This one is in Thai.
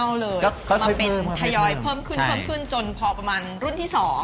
มาเป็นทยอยเพิ่มขึ้นจนพอประมาณรุ่นที่๒